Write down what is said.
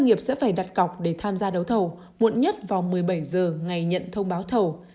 nghiệp sẽ phải đặt cọc để tham gia đấu thầu muộn nhất vào một mươi bảy giờ ngày nhận thông báo thầu